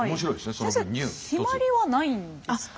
先生決まりはないんですか？